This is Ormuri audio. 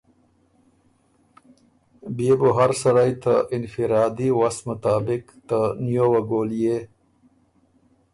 بيې بُو هر سړئ ته انفرادي وست مطابق ته نیووه ګولئے